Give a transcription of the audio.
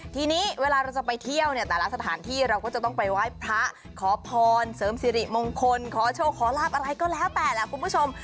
ทีนี้เวลาเราจะไปเที่ยวเนี่ยแต่ละสถานที่เราก็จะต้องไปไหว้พระขอพรเสริมสิริมงคลขอโชคขอลาบอะไรก็แล้วแต่แหละคุณผู้ชม